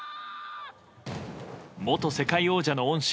元世界王者の恩師